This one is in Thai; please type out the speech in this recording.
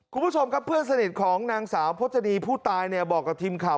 คุณผู้ชมครับเพื่อนสนิทของนางสาวพจดีผู้ตายเนี่ยบอกกับทีมข่าว